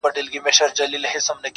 هغه سړی کلونه پس دی، راوتلی ښار ته~